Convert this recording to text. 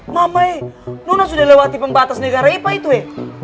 mamai kamu sudah lewati pembatas negara itu ya